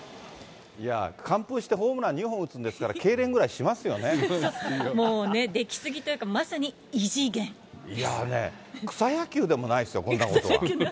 完封して、ホームラン２本打つんですから、もうね、出来すぎというか、いやー、ねえ、草野球でもないですよ、こんなことは。